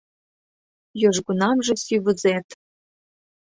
Южгунамже сӱвызет